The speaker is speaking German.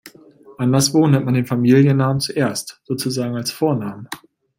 Anderswo nennt man den Familiennamen zuerst, sozusagen als Vornamen.